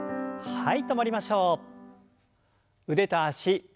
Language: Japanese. はい。